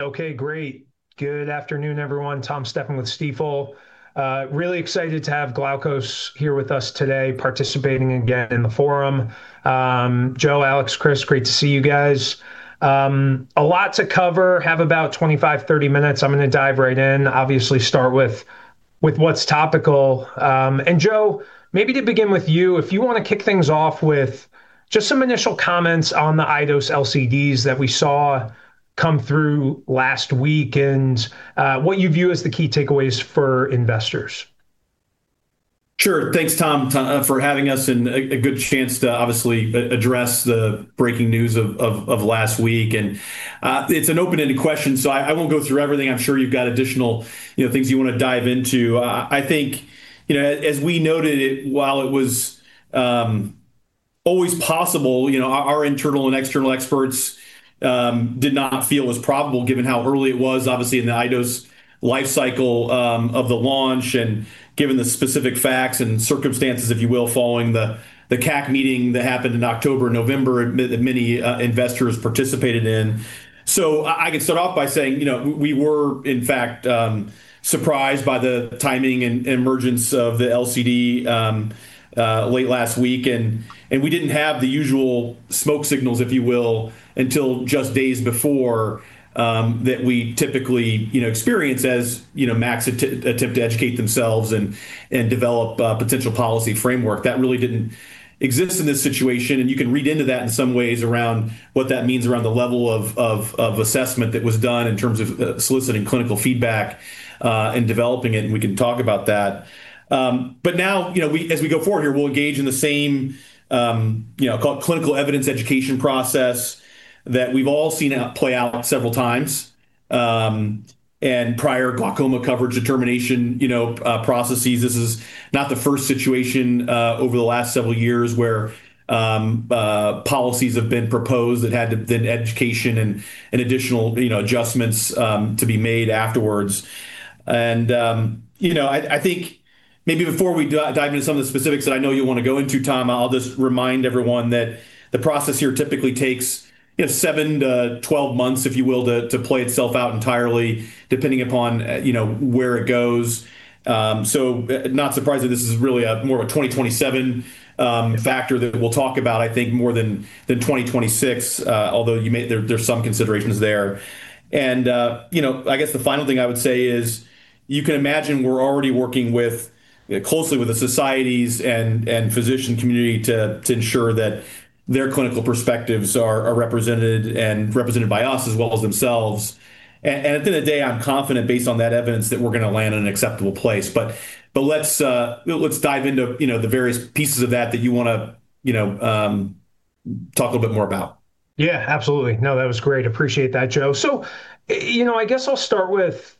Okay, great. Good afternoon, everyone. Tom Stephan with Stifel. Really excited to have Glaukos here with us today participating again in the forum. Joe, Alex, Chris, great to see you guys. A lot to cover. Have about 25, 30 minutes. I'm going to dive right in, obviously start with what's topical. Joe, maybe to begin with you, if you want to kick things off with just some initial comments on the iDose LCDs that we saw come through last week and what you view as the key takeaways for investors. Sure. Thanks, Tom, for having us and a good chance to obviously address the breaking news of last week. It's an open-ended question, so I won't go through everything. I'm sure you've got additional things you want to dive into. I think as we noted it, while it was always possible, our internal and external experts did not feel it was probable given how early it was, obviously, in the iDose life cycle of the launch and given the specific facts and circumstances, if you will, following the CAC meeting that happened in October, November, that many investors participated in. I can start off by saying, we were, in fact, surprised by the timing and emergence of the LCD late last week. We didn't have the usual smoke signals, if you will, until just days before, that we typically experience as MACs attempt to educate themselves and develop a potential policy framework. That really didn't exist in this situation. You can read into that in some ways around what that means around the level of assessment that was done in terms of soliciting clinical feedback, and developing it. We can talk about that. Now, as we go forward here, we'll engage in the same clinical evidence education process that we've all seen play out several times, and prior glaucoma coverage determination processes. This is not the first situation over the last several years where policies have been proposed that had to have been education and additional adjustments to be made afterwards. I think maybe before we dive into some of the specifics I know you want to go into, Tom, I'll just remind everyone that the process here typically takes seven to 12 months, if you will, to play itself out entirely, depending upon where it goes. Not surprising this is really more of a 2027 factor that we'll talk about, I think, more than 2026, although there's some considerations there. I guess the final thing I would say is you can imagine we're already working closely with the societies and physician community to ensure that their clinical perspectives are represented and represented by us as well as themselves. At the end of the day, I'm confident based on that evidence that we're going to land in an acceptable place. Let's dive into the various pieces of that that you want to talk a bit more about. Yeah, absolutely. No, that was great. Appreciate that, Joe. I guess I'll start with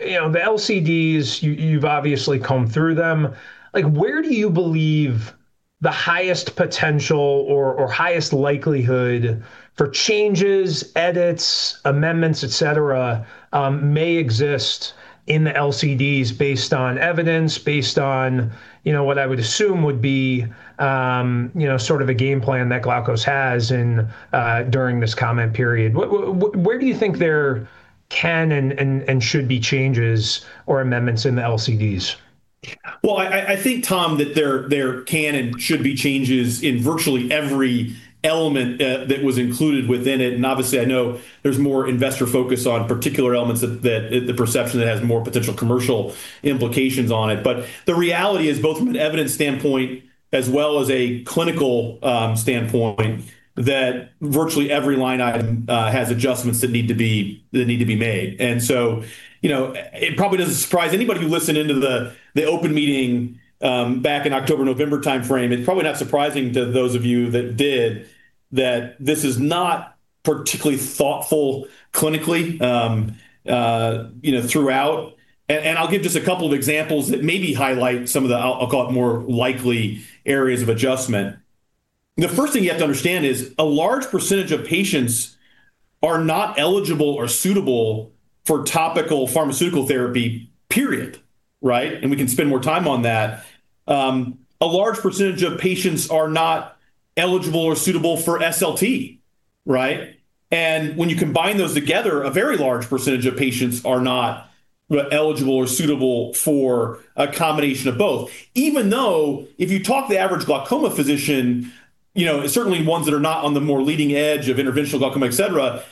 the LCDs. You've obviously combed through them. Where do you believe the highest potential or highest likelihood for changes, edits, amendments, et cetera, may exist in the LCDs based on evidence, based on what I would assume would be sort of a game plan that Glaukos has during this comment period? Where do you think there can and should be changes or amendments in the LCDs? Well, I think, Tom, that there can and should be changes in virtually every element that was included within it. Obviously, I know there's more investor focus on particular elements that the perception has more potential commercial implications on it. The reality is both from an evidence standpoint as well as a clinical standpoint, that virtually every line item has adjustments that need to be made. It probably doesn't surprise anybody who listened into the open meeting back in October, November timeframe. It's probably not surprising to those of you that did that this is not particularly thoughtful clinically throughout. I'll give just a couple of examples that maybe highlight some of the, I'll call it, more likely areas of adjustment. The first thing you have to understand is a large percentage of patients are not eligible or suitable for topical pharmaceutical therapy, period. Right? We can spend more time on that. A large percentage of patients are not eligible or suitable for SLT, right? When you combine those together, a very large percentage of patients are not eligible or suitable for a combination of both. Even though if you talk to the average glaucoma physician, certainly ones that are not on the more leading edge of interventional glaucoma, et cetera,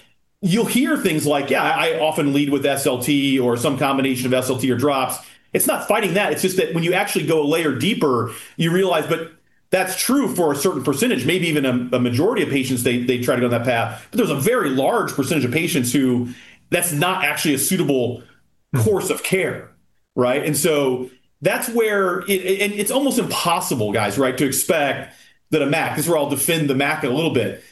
you'll hear things like, "I often lead with SLT or some combination of SLT or drops." It's not fighting that. It's just that when you actually go a layer deeper, you realize that that's true for a certain percentage, maybe even a majority of patients, they try to go that path. There's a very large percentage of patients who that's not actually a suitable course of care, right? It's almost impossible, guys, right, to expect the MAC, because we'll all defend the MAC a little bit.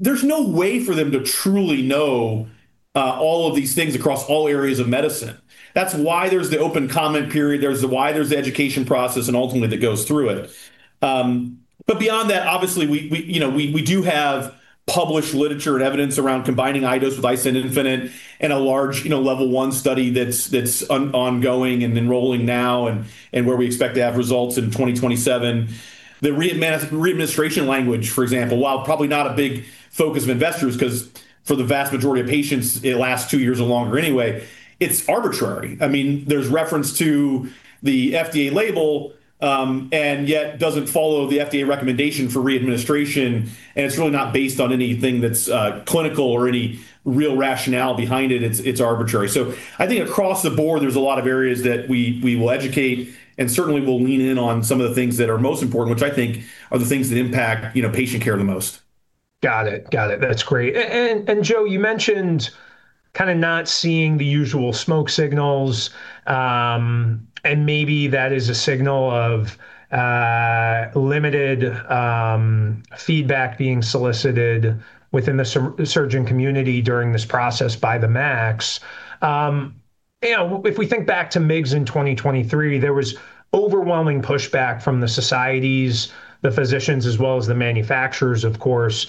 There's no way for them to truly know all of these things across all areas of medicine. That's why there's the open comment period. There's why there's education process and ultimately that goes through it. Beyond that, obviously, we do have published literature and evidence around combining iDose with iStent infinite and a large level one study that's ongoing and enrolling now and where we expect to have results in 2027. The re-administration language, for example, while probably not a big focus of investors because for the vast majority of patients, it lasts two years or longer anyway, it's arbitrary. There's reference to the FDA label and yet doesn't follow the FDA recommendation for re-administration, it's really not based on anything that's clinical or any real rationale behind it. It's arbitrary. I think across the board, there's a lot of areas that we will educate and certainly will lean in on some of the things that are most important, which I think are the things that impact patient care the most. Got it. That's great. Joe, you mentioned kind of not seeing the usual smoke signals, maybe that is a signal of limited feedback being solicited within the surgeon community during this process by the MACs. If we think back to MIGS in 2023, there was overwhelming pushback from the societies, the physicians, as well as the manufacturers, of course.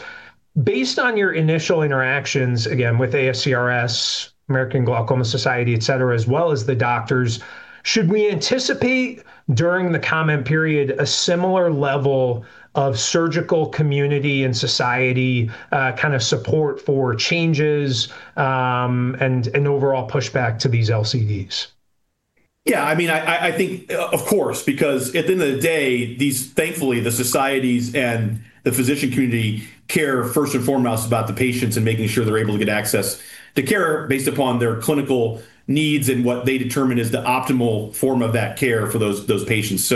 Based on your initial interactions, again, with ASCRS, American Glaucoma Society, et cetera, as well as the doctors, should we anticipate during the comment period a similar level of surgical community and society kind of support for changes and overall pushback to these LCDs? Yeah, I think, of course, because at the end of the day, thankfully, the societies and the physician community care first and foremost about the patients and making sure they're able to get access to care based upon their clinical needs and what they determine is the optimal form of that care for those patients.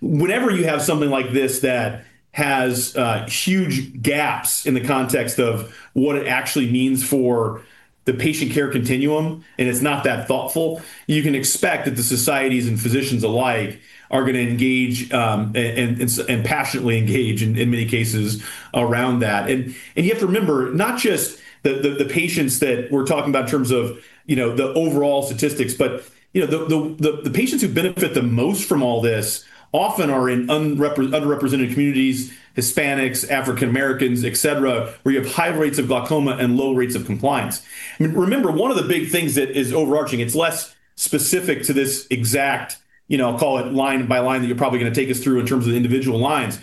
Whenever you have something like this that has huge gaps in the context of what it actually means for the patient care continuum and it's not that thoughtful, you can expect that the societies and physicians alike are going to engage and passionately engage in many cases around that. You have to remember, not just the patients that we're talking about in terms of the overall statistics, but the patients who benefit the most from all this often are in underrepresented communities, Hispanics, African Americans, et cetera, where you have high rates of glaucoma and low rates of compliance. Remember, one of the big things that is overarching, it's less specific to this exact line by line that you're probably going to take us through in terms of individual lines.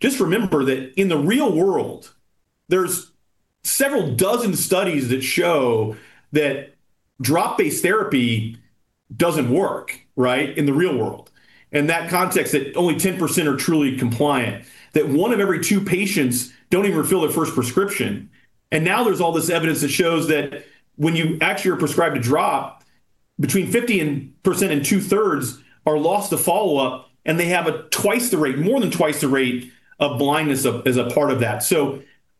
Just remember that in the real world, there's several dozen studies that show that drop-based therapy doesn't work in the real world. In that context, that only 10% are truly compliant, that one of every two patients don't even fill their first prescription. Now there's all this evidence that shows that when you actually are prescribed a drop, between 50% and two-thirds are lost to follow-up, and they have more than twice the rate of blindness as a part of that.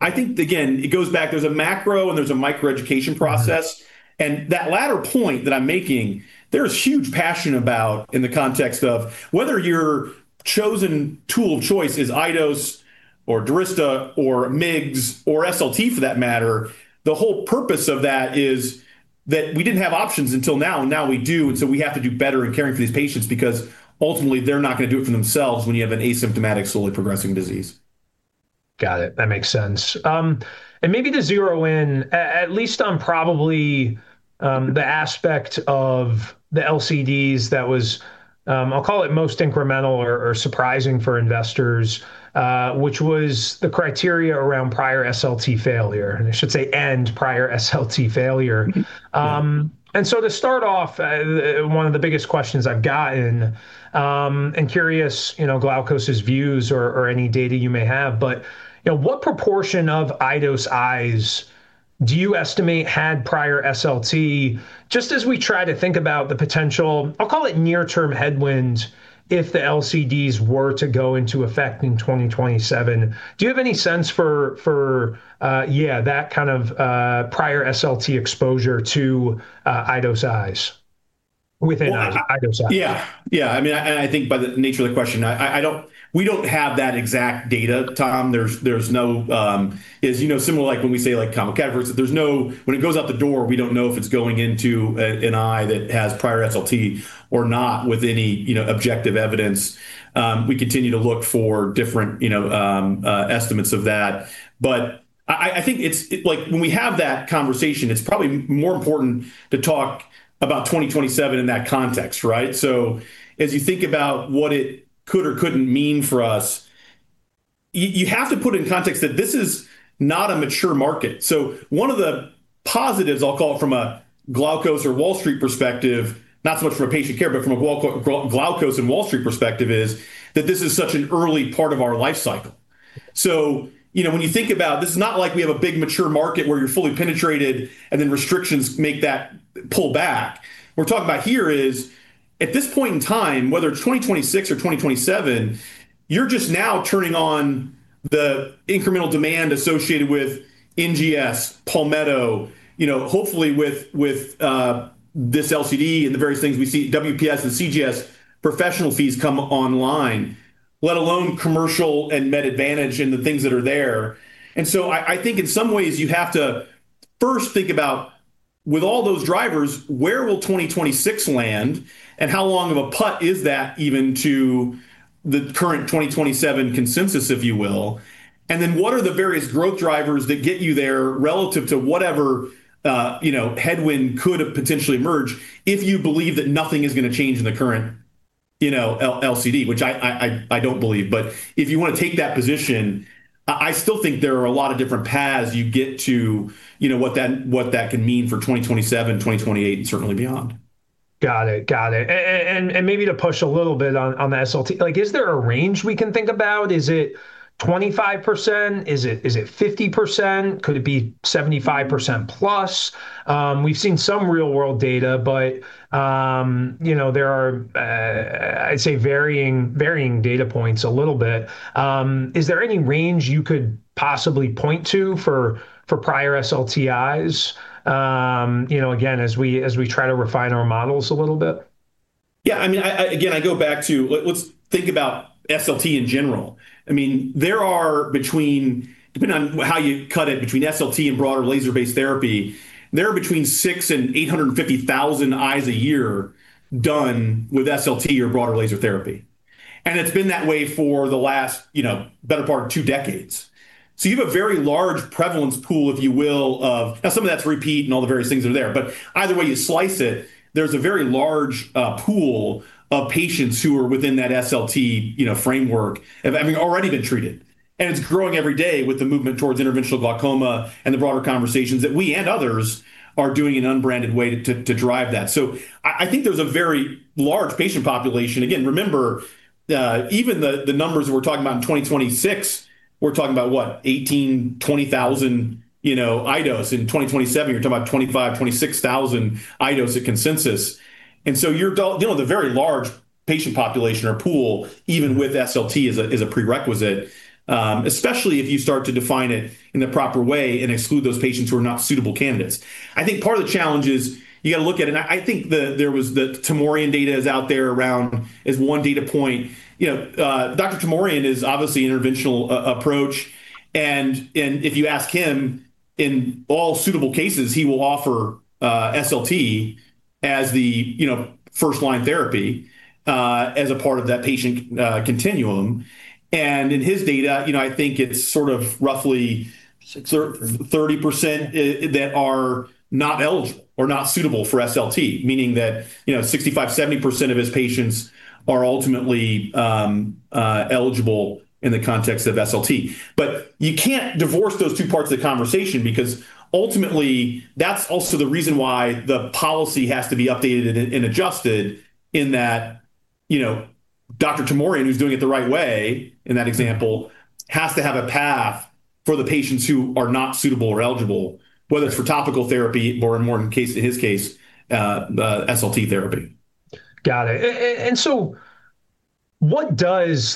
I think, again, it goes back, there's a macro and there's a micro education process. That latter point that I'm making, there's huge passion about in the context of whether your chosen tool of choice is iDose or Durysta or MIGS or SLT for that matter. The whole purpose of that is that we didn't have options until now. Now we do, we have to do better in caring for these patients because ultimately they're not going to do it for themselves when you have an asymptomatic, slowly progressing disease. Got it. That makes sense. Maybe to zero in, at least on probably the aspect of the LCDs that was, I'll call it most incremental or surprising for investors which was the criteria around prior SLT failure, and I should say end prior SLT failure. To start off, one of the biggest questions I've gotten and curious Glaukos' views or any data you may have. What proportion of iDose eyes do you estimate had prior SLT? Just as we try to think about the potential, I'll call it near term headwind if the LCDs were to go into effect in 2027. Do you have any sense for that kind of prior SLT exposure to iDose eyes within iDose eyes? Yeah. I think by the nature of the question, we don't have that exact data, Tom. Similar like when we say like comm-converts, when it goes out the door, we don't know if it's going into an eye that has prior SLT or not with any objective evidence. We continue to look for different estimates of that. I think when we have that conversation, it's probably more important to talk about 2027 in that context, right? As you think about what it could or couldn't mean for us, you have to put in context that this is not a mature market. One of the positives I'll call from a Glaukos or Wall Street perspective, not so much from a patient care, but from a Glaukos and Wall Street perspective is that this is such an early part of our life cycle. When you think about it's not like we have a big mature market where you're fully penetrated and then restrictions make that pull back. We're talking about here is at this point in time, whether it's 2026 or 2027, you're just now turning on the incremental demand associated with NGS, Palmetto GBA, hopefully with this LCD and the various things we see, WPS Health Solutions and CGS Administrators professional fees come online. Let alone commercial and Medicare Advantage and the things that are there. I think in some ways you have to first think about with all those drivers, where will 2026 land and how long of a putt is that even to the current 2027 consensus, if you will? What are the various growth drivers that get you there relative to whatever headwind could potentially emerge if you believe that nothing is going to change in the current LCD, which I don't believe? If you want to take that position, I still think there are a lot of different paths you get to what that could mean for 2027, 2028, certainly beyond. Got it. Maybe to push a little bit on the SLT, is there a range we can think about? Is it 25%? Is it 50%? Could it be 75%+? We've seen some real-world data, but there are I'd say varying data points a little bit. Is there any range you could possibly point to for prior SLTs, again, as we try to refine our models a little bit? Yeah. Again, I go back to let's think about SLT in general. Depending on how you cut it, between SLT and broader laser-based therapy, there are between six and 850,000 eyes a year done with SLT or broader laser therapy. It's been that way for the better part of two decades. You have a very large prevalence pool, if you will, of some of that's repeat and all the various things are there. Either way you slice it, there's a very large pool of patients who are within that SLT framework having already been treated, and it's growing every day with the movement towards interventional glaucoma and the broader conversations that we and others are doing an unbranded way to drive that. I think there's a very large patient population. Remember, even the numbers we're talking about in 2026, we're talking about what, 18,000, 20,000 iDose. In 2027, you're talking about 25,000, 26,000 iDose at consensus. You're dealing with a very large patient population or pool, even with SLT as a prerequisite, especially if you start to define it in the proper way and exclude those patients who are not suitable candidates. I think part of the challenge is you got to look at it, and I think the Teymourian data is out there around as one data point. Dr. Teymourian is obviously interventional approach and if you ask him in all suitable cases, he will offer SLT as the first-line therapy as a part of that patient continuum. In his data, I think it's roughly 30% that are not eligible or not suitable for SLT, meaning that 65%, 70% of his patients are ultimately eligible in the context of SLT. You can't divorce those two parts of the conversation because ultimately that's also the reason why the policy has to be updated and adjusted in that Dr. Teymourian, who's doing it the right way in that example, has to have a path for the patients who are not suitable or eligible, whether it's for topical therapy or in his case, the SLT therapy. Got it. What does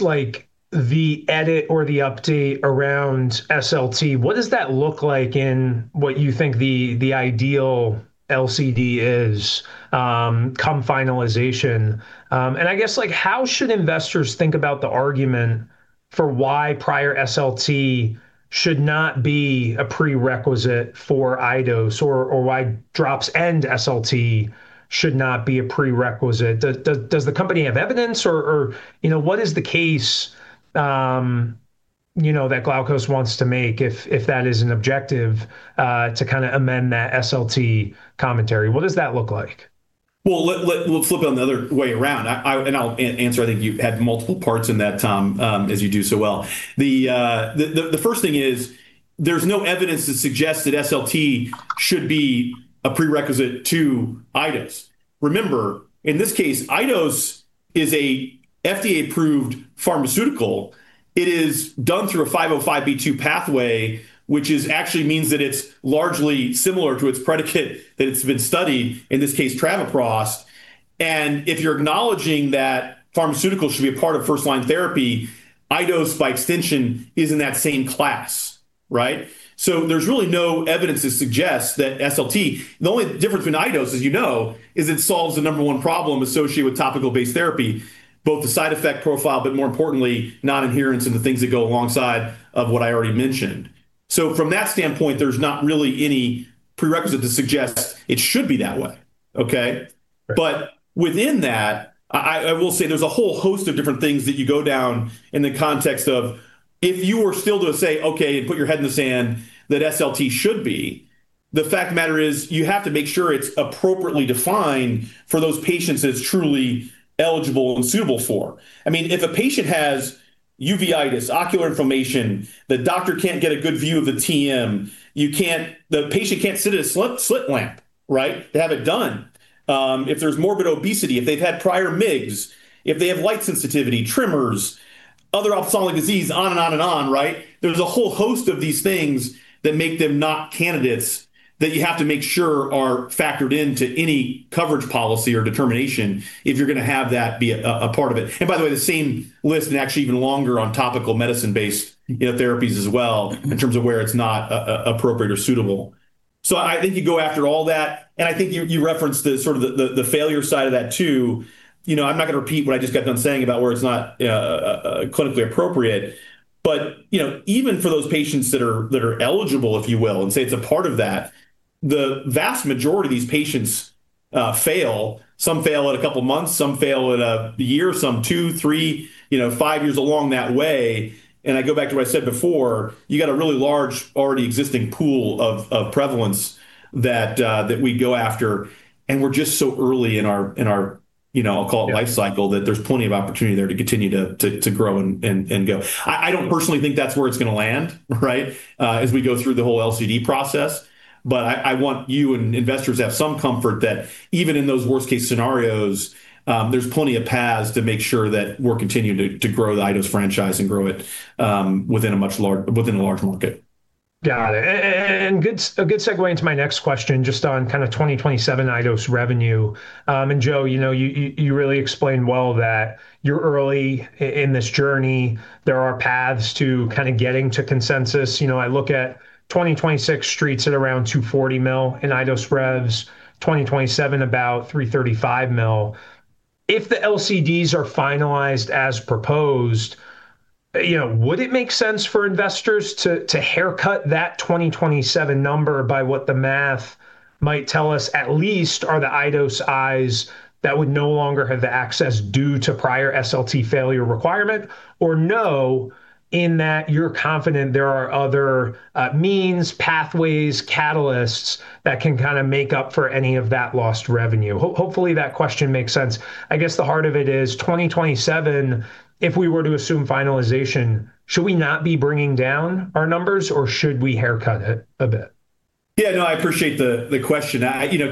the edit or the update around SLT, what does that look like in what you think the ideal LCD is come finalization? I guess how should investors think about the argument for why prior SLT should not be a prerequisite for iDose or why drops and SLT should not be a prerequisite? Does the company have evidence or what is the case that Glaukos wants to make if that is an objective to kind of amend that SLT commentary? What does that look like? Well, let's flip it the other way around, and I'll answer. I think you had multiple parts in that, Tom, as you do so well. The first thing is there's no evidence to suggest that SLT should be a prerequisite to iDose. Remember, in this case, iDose is a FDA-approved pharmaceutical. It is done through a 505(b)(2) pathway, which is actually means that it's largely similar to its predicate that it's been studied, in this case travoprost. If you're acknowledging that pharmaceuticals should be a part of first-line therapy, iDose by extension is in that same class. Right? There's really no evidence to suggest that SLT. The only difference in iDose, as you know, is it solves the number one problem associated with topical-based therapy, both the side effect profile, but more importantly, non-adherence and the things that go alongside of what I already mentioned. From that standpoint, there's not really any prerequisite to suggest it should be that way. Okay? Within that, I will say there's a whole host of different things that you go down in the context of if you were still to say, okay, and put your head in the sand that SLT should be, the fact of the matter is you have to make sure it's appropriately defined for those patients it's truly eligible and suitable for. If a patient has uveitis, ocular inflammation, the doctor can't get a good view of the TM, the patient can't sit in a slit lamp, right, to have it done. If there's morbid obesity, if they've had prior MIGS, if they have light sensitivity, tremors, other ophthalmic disease, on and on and on, right? There's a whole host of these things that make them not candidates that you have to make sure are factored into any coverage policy or determination if you're going to have that be a part of it. By the way, the same list is actually even longer on topical medicine-based therapies as well in terms of where it's not appropriate or suitable. I think you go after all that, and I think you referenced the failure side of that too. I'm not going to repeat what I just kept on saying about where it's not clinically appropriate. Even for those patients that are eligible, if you will, and say it's a part of that, the vast majority of these patients fail. Some fail in a couple of months, some fail in a year, some two, three, five years along that way. I go back to what I said before, you've got a really large already existing pool of prevalence that we go after. We're just so early in our, I'll call it life cycle, that there's plenty of opportunity there to continue to grow and go. I don't personally think that's where it's going to land, right, as we go through the whole LCD process. I want you and investors to have some comfort that even in those worst-case scenarios, there's plenty of paths to make sure that we're continuing to grow the iDose franchise and grow it within a large market. Got it. A good segue into my next question just on 2027 iDose revenue. Joe, you really explained well that you're early in this journey. There are paths to getting to consensus. I look at 2026 streets at around $240 million in iDose revs, 2027 about $335 million. If the LCDs are finalized as proposed, would it make sense for investors to haircut that 2027 number by what the math might tell us, at least are the iDose eyes that would no longer have the access due to prior SLT failure requirement? No, in that you're confident there are other means, pathways, catalysts that can make up for any of that lost revenue. Hopefully, that question makes sense. I guess the heart of it is 2027, if we were to assume finalization, should we not be bringing down our numbers or should we haircut it a bit? Yeah, no, I appreciate the question.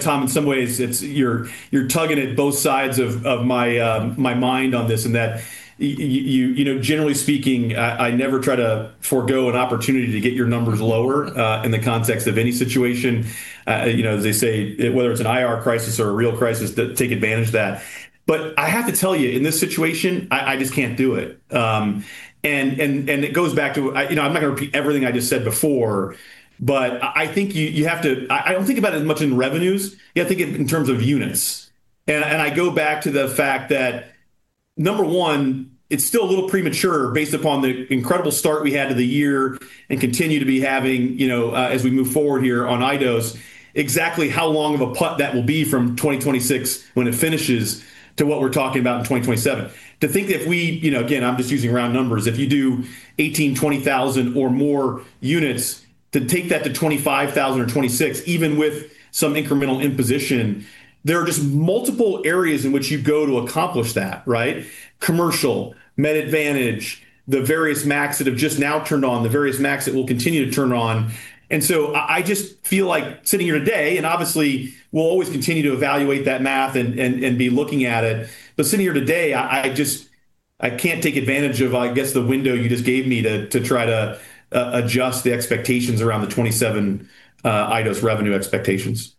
Tom, in some ways, you're tugging at both sides of my mind on this and that generally speaking, I never try to forgo an opportunity to get your numbers lower in the context of any situation. As they say, whether it's an IR crisis or a real crisis, take advantage of that. I have to tell you, in this situation, I just can't do it. It goes back to, I'm not going to repeat everything I just said before, but I don't think about it as much in revenues. You have to think in terms of units. I go back to the fact that number one, it's still a little premature based upon the incredible start we had of the year and continue to be having as we move forward here on iDose, exactly how long of a putt that will be from 2026 when it finishes to what we're talking about in 2027. To think if we, again, I'm just using round numbers. If you do 18,000, 20,000 or more units, to take that to 25,000 in 2026, even with some incremental imposition, there are just multiple areas in which you go to accomplish that, right? Commercial, Medicare Advantage, the various MACs that have just now turned on, the various MACs that will continue to turn on. I just feel like sitting here today, obviously we'll always continue to evaluate that math and be looking at it. Sitting here today, I can't take advantage of, I guess, the window you just gave me to try to adjust the expectations around the 2027 iDose revenue expectations.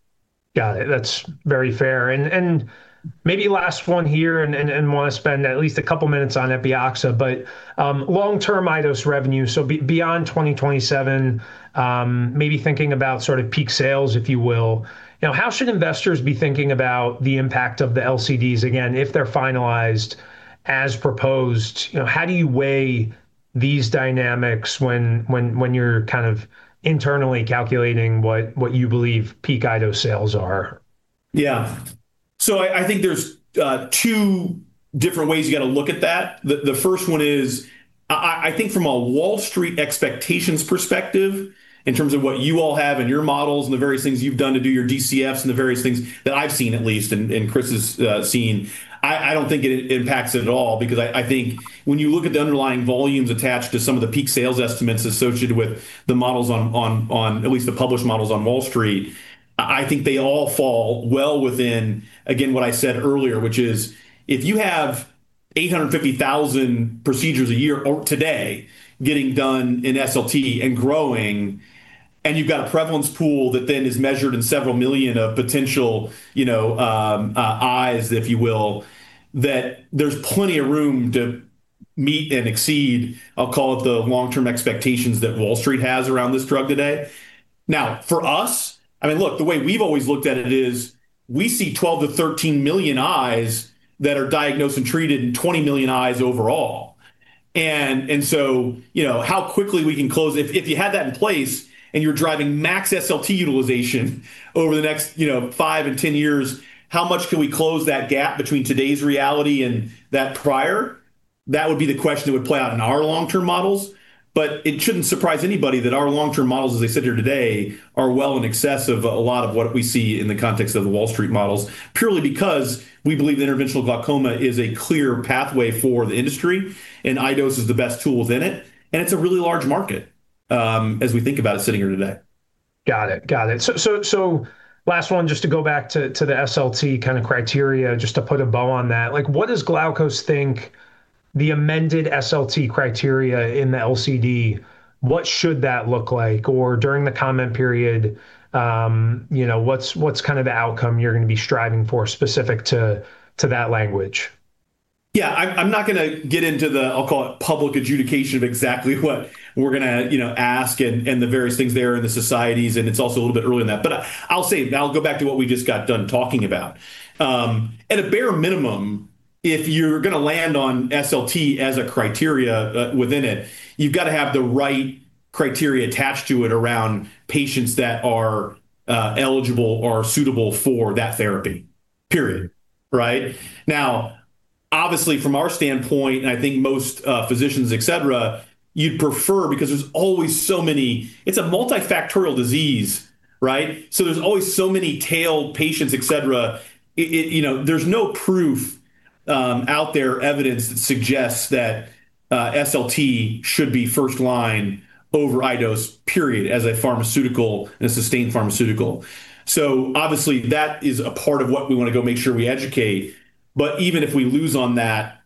Got it. That's very fair. Maybe last one here and want to spend at least a couple of minutes on Epioxa, but long-term iDose revenue, so beyond 2027, maybe thinking about peak sales, if you will. How should investors be thinking about the impact of the LCDs, again, if they're finalized as proposed? How do you weigh these dynamics when you're internally calculating what you believe peak iDose sales are? Yeah. I think there's two different ways you got to look at that. The first one is, I think from a Wall Street expectations perspective, in terms of what you all have in your models and the various things you've done to do your DCFs and the various things that I've seen at least, and Chris has seen, I don't think it impacts it at all because I think when you look at the underlying volumes attached to some of the peak sales estimates associated with the models, at least the published models on Wall Street, I think they all fall well within, again, what I said earlier, which is if you have 850,000 procedures a year today getting done in SLT and growing, and you've got a prevalence pool that then is measured in several million of potential eyes, if you will, that there's plenty of room to meet and exceed, I'll call it the long-term expectations that Wall Street has around this drug today. For us, look, the way we've always looked at it is we see 12-13 million eyes that are diagnosed and treated and 20 million eyes overall. How quickly we can close it. If you had that in place and you're driving MACs SLT utilization over the next 5-10 years, how much can we close that gap between today's reality and that prior? That would be the question that would play out in our long-term models. It shouldn't surprise anybody that our long-term models, as I sit here today, are well in excess of a lot of what we see in the context of the Wall Street models, purely because we believe interventional glaucoma is a clear pathway for the industry, and iDose is the best tool within it, and it's a really large market as we think about it sitting here today. Got it. Last one, just to go back to the SLT criteria, just to put a bow on that. What does Glaukos think the amended SLT criteria in the LCD, what should that look like? During the comment period, what's the outcome you're going to be striving for specific to that language? Yeah. I'm not going to get into the, I'll call it public adjudication of exactly what we're going to ask and the various things there in the societies, and it's also a little bit early in that. I'll say, and I'll go back to what we just got done talking about. At a bare minimum, if you're going to land on SLT as a criteria within it, you've got to have the right criteria attached to it around patients that are eligible or suitable for that therapy, period. Right? Obviously from our standpoint, and I think most physicians, et cetera, you'd prefer because it's a multifactorial disease, right? There's always so many tailed patients, et cetera. There's no proof out there, evidence that suggests that SLT should be first line over iDose, period, as a pharmaceutical and a sustained pharmaceutical. Obviously that is a part of what we want to go make sure we educate, but even if we lose on that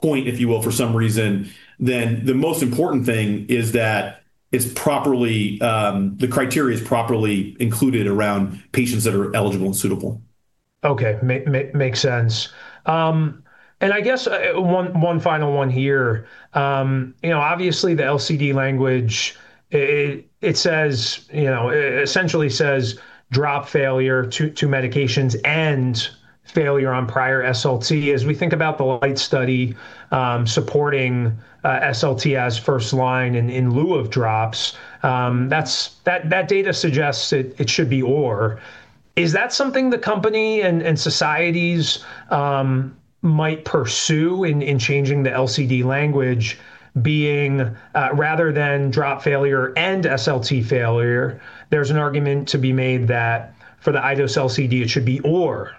point, if you will, for some reason, then the most important thing is that the criteria is properly included around patients that are eligible and suitable. Okay. Makes sense. I guess one final one here. Obviously the LCD language, it essentially says drop failure to medications and failure on prior SLT. As we think about the LIGHT study supporting SLT as first line and in lieu of drops, that data suggests that it should be or. Is that something the company and societies might pursue in changing the LCD language being rather than drop failure and SLT failure, there's an argument to be made that for the iDose LCD it should be or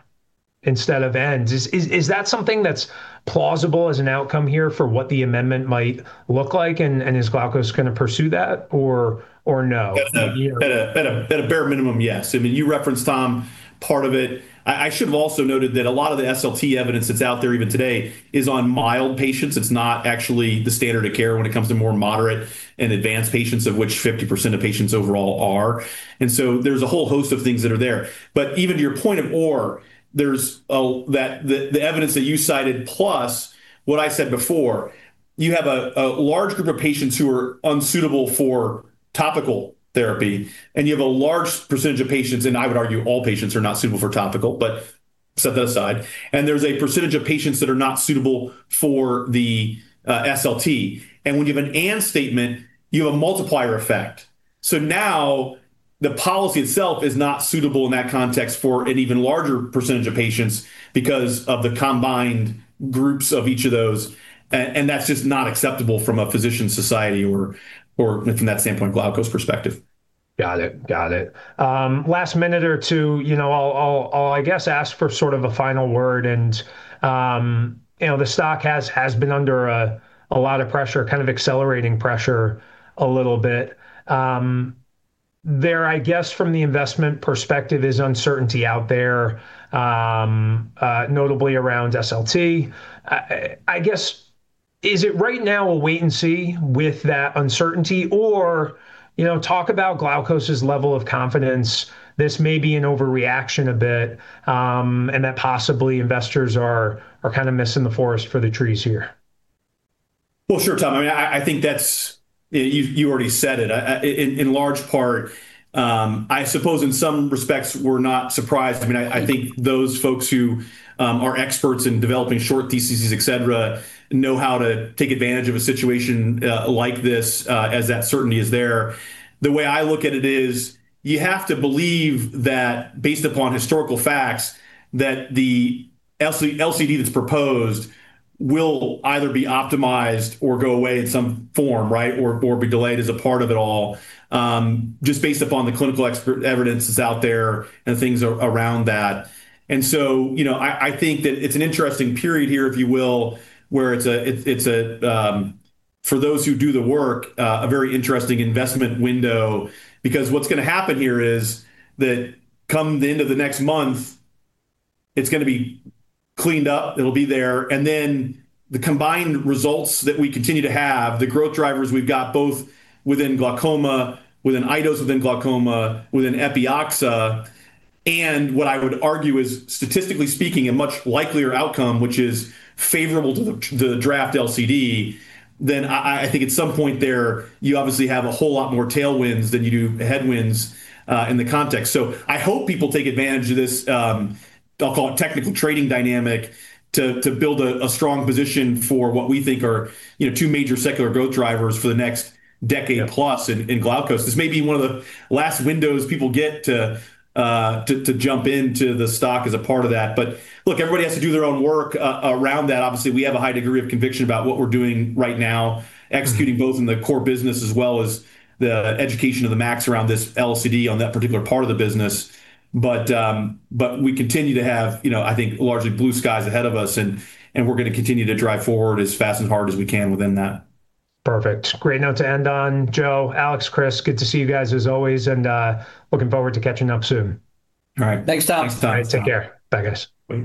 instead of and? Is that something that's plausible as an outcome here for what the amendment might look like, and is Glaukos going to pursue that or no? At a bare minimum, yes. I mean, you referenced, Tom, part of it. I should've also noted that a lot of the SLT evidence that's out there even today is on mild patients. It's not actually the standard of care when it comes to more moderate and advanced patients, of which 50% of patients overall are. There's a whole host of things that are there. But even to your point of or, there's the evidence that you cited plus what I said before. You have a large group of patients who are unsuitable for topical therapy, and you have a large percentage of patients, and I would argue all patients are not suitable for topical, but set that aside. There's a percentage of patients that are not suitable for the SLT. When you have an and statement, you have a multiplier effect. Now the policy itself is not suitable in that context for an even larger percentage of patients because of the combined groups of each of those, and that's just not acceptable from a physician society or from that standpoint, Glaukos perspective. Got it. Last minute or two, I'll, I guess ask for sort of a final word and the stock has been under a lot of pressure, kind of accelerating pressure a little bit. There, I guess from the investment perspective, there's uncertainty out there, notably around SLT. I guess, is it right now a wait and see with that uncertainty or talk about Glaukos' level of confidence, this may be an overreaction a bit, and that possibly investors are kind of missing the forest for the trees here? Well, sure, Tom. You already said it. In large part, I suppose in some respects we're not surprised. I think those folks who are experts in developing short theses, et cetera, know how to take advantage of a situation like this as that certainty is there. The way I look at it is you have to believe that based upon historical facts, that the LCD that's proposed will either be optimized or go away in some form, right? Be delayed as a part of it all, just based upon the clinical evidence that's out there and things around that. I think that it's an interesting period here, if you will, where it's, for those who do the work, a very interesting investment window because what's going to happen here is that come the end of the next month, it's going to be cleaned up, it'll be there, and then the combined results that we continue to have, the growth drivers we've got both within glaucoma, within iDose within glaucoma, within Epioxa, and what I would argue is statistically speaking, a much likelier outcome, which is favorable to the draft LCD, then I think at some point there you obviously have a whole lot more tailwinds than you do headwinds in the context. I hope people take advantage of this, I'll call it technical trading dynamic to build a strong position for what we think are two major secular growth drivers for the next decade plus in Glaukos. This may be one of the last windows people get to jump into the stock as a part of that. Look, everybody has to do their own work around that. Obviously, we have a high degree of conviction about what we're doing right now, executing both in the core business as well as the education of the MACs around this LCD on that particular part of the business. We continue to have I think largely blue skies ahead of us, and we're going to continue to drive forward as fast and hard as we can within that. Perfect. Great note to end on, Joe, Alex, Chris, good to see you guys as always, and looking forward to catching up soon. All right. Thanks, Tom. Take care. Bye, guys.